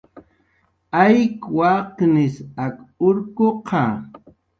Ayk waqnis ak urkuqa